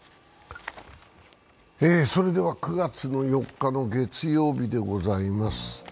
それでは９月４日の月曜日でございます。